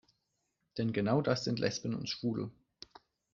Denn genau das sind Lesben und Schwule.